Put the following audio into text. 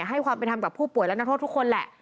ให้ความเป็นธรรมกับผู้ป่วยและนักโทษทุกคนแหละ